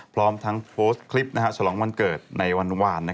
พร้อมทั้งโพสต์คลิปฉลองวันเกิดในวัน